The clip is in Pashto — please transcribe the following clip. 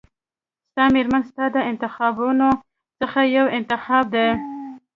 ستا مېرمن ستا د انتخابونو څخه یو انتخاب دی.